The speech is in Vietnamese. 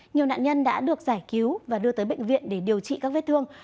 nhiều nạn nhân đã được giải cứu và đưa tới bệnh viện để điều trị các vết thương